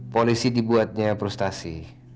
polisi dibuatnya frustasi